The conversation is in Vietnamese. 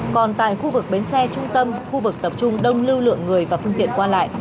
còn tại khu vực bến xe trung tâm khu vực tập trung đông lưu lượng người và phương tiện qua lại